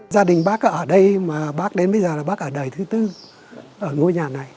gia đình bác ở đây mà bác đến bây giờ là bác ở đời thứ tư ở ngôi nhà này